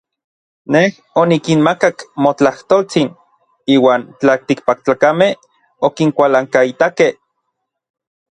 Nej onikinmakak motlajtoltsin, iuan tlaltikpaktlakamej okinkualankaitakej.